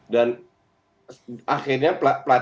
dan akhirnya pelatihnya juga sadar